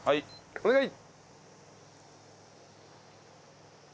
お願い！